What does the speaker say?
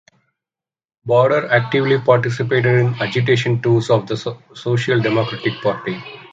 Baader actively participated in agitation tours of the Social Democratic Party.